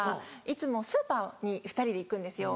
いつもスーパーに２人で行くんですよ。